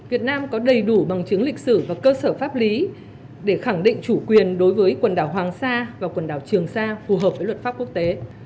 việt nam có đầy đủ bằng chứng lịch sử và cơ sở pháp lý để khẳng định chủ quyền đối với quần đảo hoàng sa và quần đảo trường sa phù hợp với luật pháp quốc tế